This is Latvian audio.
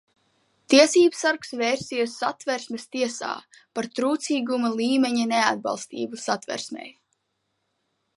Tiesībsargs vērsies satversmes tiesā par trūcīguma līmeņa neatbilstību satversmei.